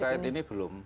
kalau terkait ini belum